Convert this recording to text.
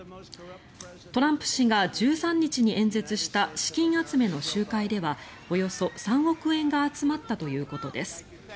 トランプ氏が１３日に演説した資金集めの集会ではおよそ３億円が集まったということです。